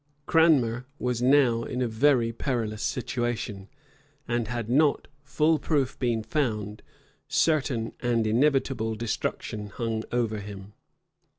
Cranmer was now in a very perilous situation; and had not full proof been found, certain and inevitable destruction hung over him.